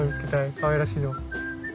かわいらしいの。